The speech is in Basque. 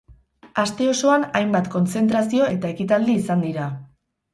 Aste osoan hainbat kontzentrazio eta ekitaldi izan dira.